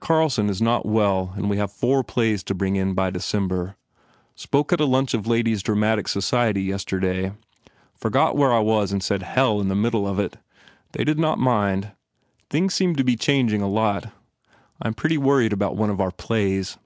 Carlson is not well and we have four plays to bring in by December. Spoke at a lunch of a ladies dramatic society yesterday. Forgot where I was and said Hell in the middle of it. They did not mind. Things seem to be changing a lot. I am pretty worried about one of our plays."